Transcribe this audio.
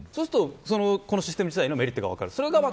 このシステム自体のメリットが分かる。